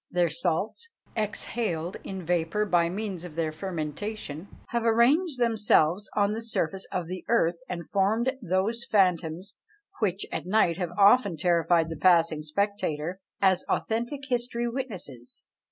Their salts, exhaled in vapour by means of their fermentation, have arranged themselves on the surface of the earth, and formed those phantoms, which at night have often terrified the passing spectator, as authentic history witnesses.